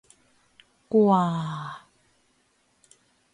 กว่า